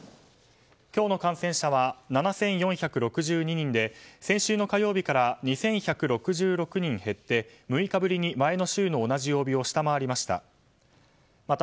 今日の感染者は７４６２人で先週の火曜日から２１６６人減って６日ぶりに前の週の同じ曜日を下回りました。